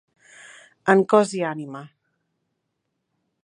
En cos i ànima.